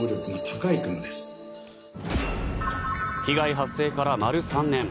被害発生から丸３年。